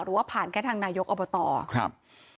หรือว่าผ่านแค่ทางนายกอบตครับ